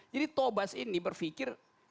jadi tobas ini berfikir